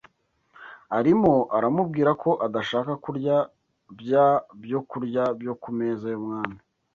Arimo aramubwira ko adashaka kurya bya byokurya byo ku meza y’umwami